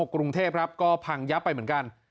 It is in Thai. กรุงเทพครับก็พังยับไปเหมือนกัน